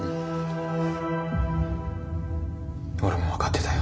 俺も分かってたよ。